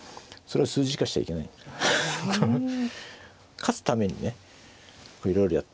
勝つためにねいろいろやってるんで。